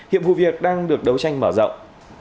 hiệp vụ việc đang được đấu tranh mở rộng